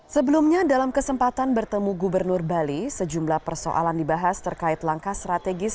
sebelumnya dalam kesempatan bertemu gubernur bali sejumlah persoalan dibahas terkait langkah strategis